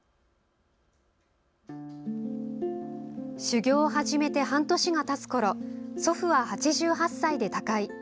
修業を始めて半年がたつころ祖父は８８歳で他界。